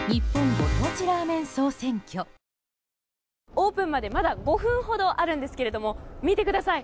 オープンまでまだ５分ほどあるんですけども見てください。